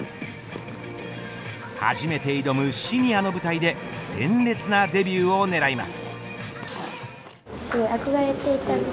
初めて挑むシニアの舞台で鮮烈なデビューを狙います。